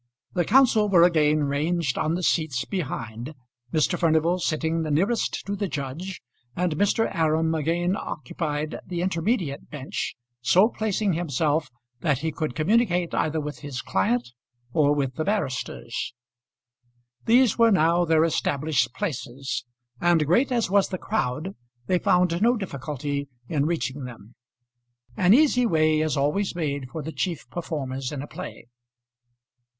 The counsel were again ranged on the seats behind, Mr. Furnival sitting the nearest to the judge, and Mr. Aram again occupied the intermediate bench, so placing himself that he could communicate either with his client or with the barristers. These were now their established places, and great as was the crowd, they found no difficulty in reaching them. An easy way is always made for the chief performers in a play.